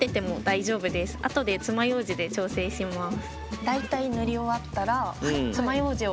あとでつまようじで調整します。